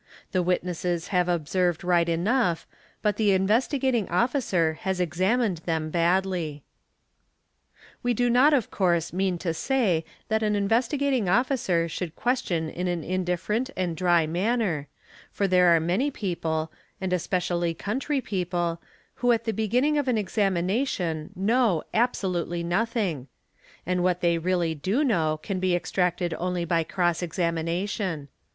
The witnesses have observed right enough but the Investigating Officer has examined them badly. | We do not of course mean to say that an Investigating Officer should question in an indifferent and dry manner, for there are many people, and especially country people, who at the beginning of an examination know "absolutely nothing'; and what they really do know can be ' extracted only by cross examination.